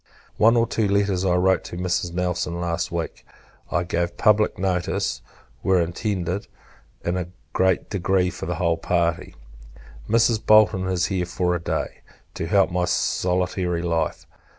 One or two letters I wrote to Mrs. Nelson last week, I gave public notice, were intended, in a great degree, for the whole party. Mrs. Bolton is here for a day, to help my solitary life.